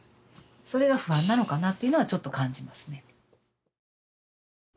それが不安なのかなっていうのはちょっと感じますね。